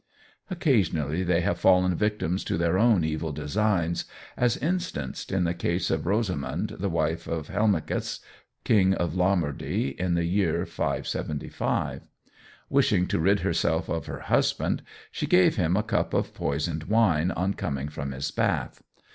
Occasionally they have fallen victims to their own evil designs, as instanced in the case of Rosamond the wife of Helmichis, King of Lombardy, in the year 575. Wishing to rid herself of her husband, she gave him a cup of poisoned wine on coming from his bath.